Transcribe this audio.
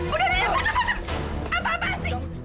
udah udah apa apaan